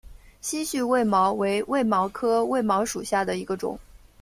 稀序卫矛为卫矛科卫矛属下的一个种。